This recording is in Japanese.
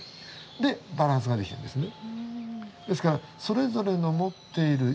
でバランスができてるんですね。